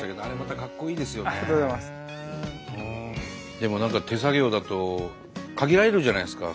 でも何か手作業だと限られるじゃないですか